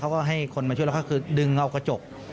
เขาก็ให้คนมาช่วยแล้วก็คือดึงเอากระจก